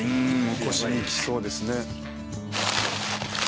腰にきそうですね。